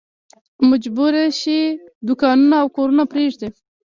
مجبور شي دوکانونه او کورونه پرېږدي.